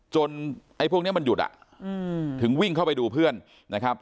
ไอ้พวกนี้มันหยุดถึงวิ่งเข้าไปดูเพื่อนนะครับ